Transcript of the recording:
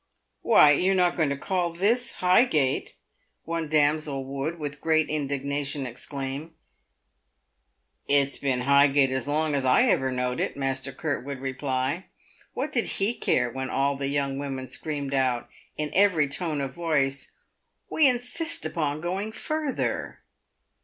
"Why, you're not going to call this Highgate ?" one young damsel would, with great indignation, exclaim. —" It's been Highgate as long as I ever knowed it," Master Curt would reply. "What did he care when all the young women screamed out, in every tone of voice, " We insist upon going farther